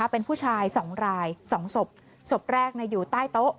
เป็นผู้ชายสองรายสองศพศพแรกอยู่ใต้โต๊ะ